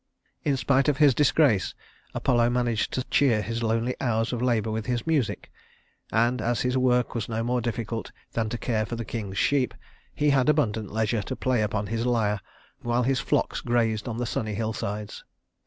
In spite of his disgrace, Apollo managed to cheer his lonely hours of labor with his music; and as his work was no more difficult than to care for the king's sheep, he had abundant leisure to play upon his lyre while his flocks grazed on the sunny hillsides.